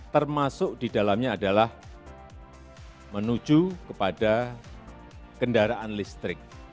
termasuk di dalamnya adalah menuju kepada kendaraan listrik